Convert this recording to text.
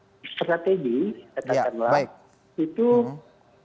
kami akan menyusun kekuatan yaitu menggalang solidaritas internasional terhadap apa yang terjadi di indonesia